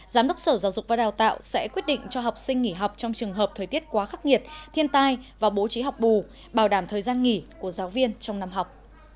giám đốc sở giáo dục và đào tạo sẽ quyết định cho học sinh nghỉ học trong trường hợp thời tiết quá khắc nghiệt thiên tai và bố trí học bù bảo đảm thời gian nghỉ của giáo viên trong năm học